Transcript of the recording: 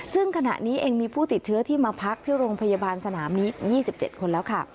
ซึ่งขณะนี้เองมีผู้ติดเชื้อที่มาพักที่โรงพยาบาลสนามนี้๒๗คนแล้วค่ะ